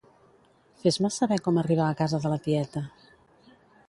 Fes-me saber com arribar a casa de la tieta.